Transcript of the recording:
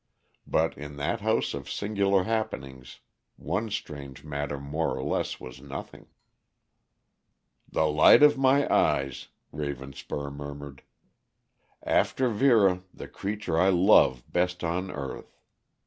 But in that house of singular happenings one strange matter more or less was nothing. "The light of my eyes," Ravenspur murmured. "After Vera, the creature I love best on earth.